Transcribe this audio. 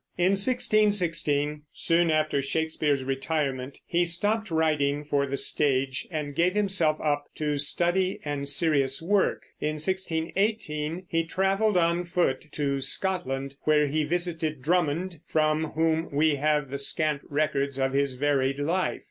In 1616, soon after Shakespeare's retirement, he stopped writing for the stage and gave himself up to study and serious work. In 1618 he traveled on foot to Scotland, where he visited Drummond, from whom we have the scant records of his varied life.